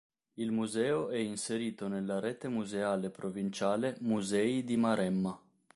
Il museo è inserito nella rete museale provinciale "Musei di Maremma".